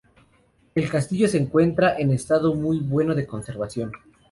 El castillo se encuentra en estado muy bueno de conservación.